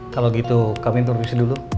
kalo gitu kami introdusi dulu